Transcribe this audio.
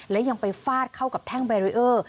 และยังไปฟาดเข้ากับแท่งแบรีเออร์